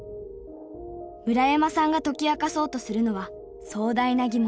村山さんが解き明かそうとするのは壮大な疑問。